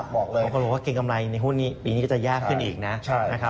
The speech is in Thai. บางคนบอกว่าเกณฑ์กำไรในหุ้นนี้ปีนี้ก็จะยากขึ้นอีกนะ